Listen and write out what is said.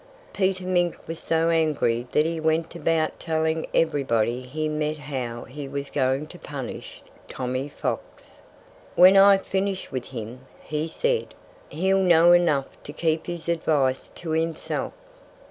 Peter Mink was so angry that he went about telling everyone he met how he was going to punish Tommy Fox. "When I finish with him," he said, "he'll know enough to keep his advice to himself."